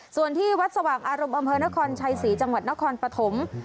ส่วนที่วัดสว่างอารมณ์อำเภอนครชัยศรีจังหวัดนครปฐม